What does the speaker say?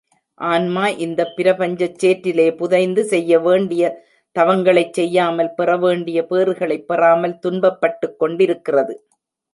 ஆன்மா இந்தப் பிரபஞ்சச் சேற்றிலே புதைந்து, செய்ய வேண்டிய தவங்களைச் செய்யாமல், பெறவேண்டிய பேறுகளைப் பெறாமல் துன்பப்பட்டுக் கொண்டிருக்கிறது.